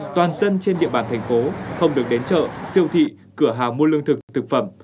toàn dân trên địa bàn thành phố không được đến chợ siêu thị cửa hàng mua lương thực thực phẩm